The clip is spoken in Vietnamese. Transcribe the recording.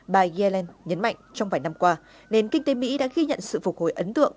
bà yellen nhấn mạnh trong vài năm qua nền kinh tế mỹ đã ghi nhận sự phục hồi ấn tượng